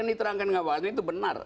yang diterangkan ngabali itu benar